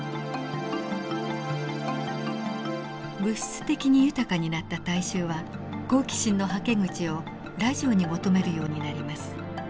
物質的に豊かになった大衆は好奇心のはけ口をラジオに求めるようになります。